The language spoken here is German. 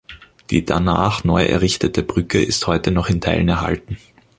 Die danach neuerrichtete Brücke ist heute noch in Teilen erhalten.